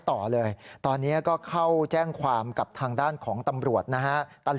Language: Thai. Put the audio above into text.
ต่อเลยตอนนี้ก็เข้าแจ้งความกับทางด้านของตำรวจนะฮะ